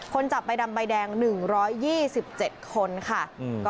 คนจับไปดำใบแดง๑๒๗คนครับ